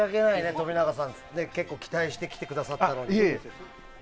冨永さん、結構期待して来てくださったのに。